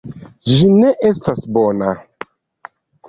Ĝi ne estas bona.